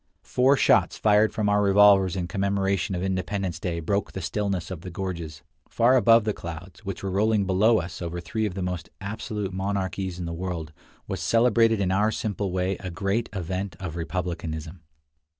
Four shots fired from our revolvers in commemoration of Independence Day broke the stillness of the gorges. Far above the clouds, which were rolling below us over three of the most absolute monarchies in the world, was celebrated in our simple 70 Across Asia on a Bicycle [781 way a great event of republicanism.